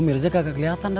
om mirza gak keliatan dah